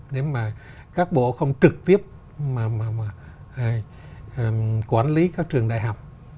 để mà các bộ không trực tiếp mà quản lý các trường đại học